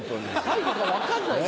最後が分かんない。